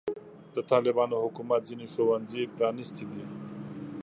د طالبانو حکومت ځینې ښوونځي پرانستې دي.